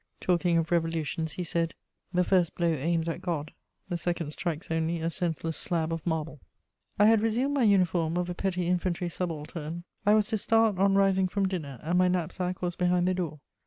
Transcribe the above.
Talking of revolutions, he said: "The first blow aims at God, the second strikes only a senseless slab of marble." I had resumed my uniform of a petty infantry subaltern; I was to start on rising from dinner, and my knapsack was behind the door.